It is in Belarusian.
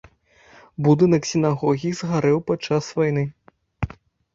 Будынак сінагогі згарэў падчас вайны.